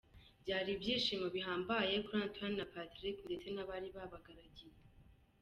Byari ibyishimo bihambaye kuri Antoinette na Patrick ndetse n'abari babagaragiye.